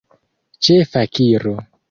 Ĉe fakiro.